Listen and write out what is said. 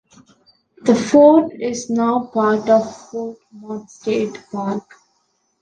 The fort is now part of Fort Mott State Park.